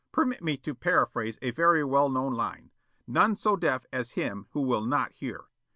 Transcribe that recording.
Permit me to paraphrase a very well known line. 'None so deaf as him who will not hear.'"